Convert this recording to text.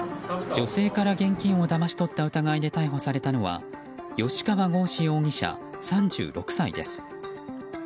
女性から現金をだまし取った疑いで逮捕されたのは吉川剛司容疑者、３６歳です。